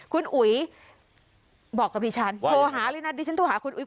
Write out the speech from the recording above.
คุณอุ๋ยบอกกับดิฉันโทรหาเลยนะดิฉันโทรหาคุณอุ๋ย